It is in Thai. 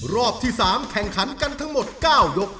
รอบที่๓แข่งขันกันทั้งหมด๙ยก